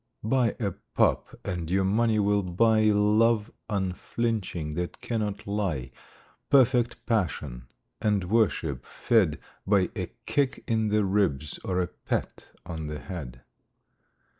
Buy a pup and your money will buy Love unflinching that cannot lie Perfect passion and worship fed By a kick in the ribs or a pat on the head.